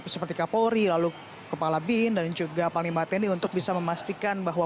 seperti kapolri lalu kepala bin dan juga panglima tni untuk bisa memastikan bahwa